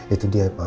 itu dia mah